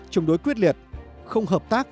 trùng đối quyết liệt không hợp tác